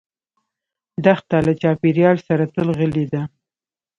دښته له چاپېریال سره تل غلي ده.